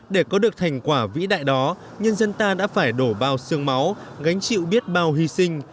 để có được thành quả vĩ đại đó nhân dân ta đã phải đổ bao sương máu gánh chịu biết bao hy sinh